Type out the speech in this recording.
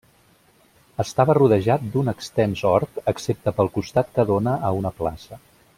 Estava rodejat d'un extens hort excepte pel costat que dóna a una plaça.